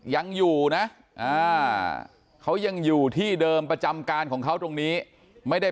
ยังอยู่นะเขายังอยู่ที่เดิมประจำการของเขาตรงนี้ไม่ได้